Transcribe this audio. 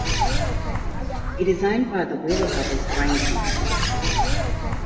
It is owned by the Wheeler Brothers Grain Company.